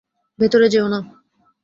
ভেতরে যেও না!